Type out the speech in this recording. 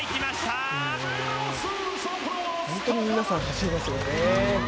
本当に皆さん、走りますよね。